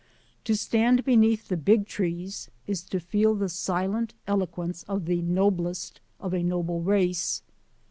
To stand beneath. the Big Trees is to feel the silent eloquence of the "noblest of a noble race."